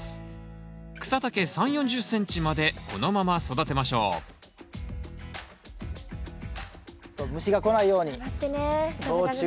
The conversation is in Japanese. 草丈３０４０ｃｍまでこのまま育てましょう虫が来ないように防虫ネット。